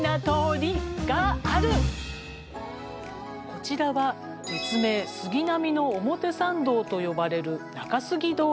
こちらは別名杉並の表参道と呼ばれる中杉通り。